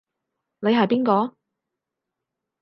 你係邊個？